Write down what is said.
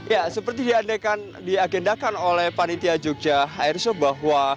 ya seperti diagendakan oleh panitia jogja airshow bahwa